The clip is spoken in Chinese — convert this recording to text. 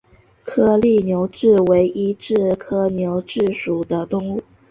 颗粒牛蛭为医蛭科牛蛭属的动物。